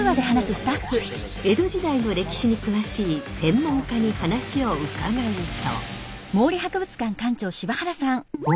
江戸時代の歴史に詳しい専門家に話を伺うと。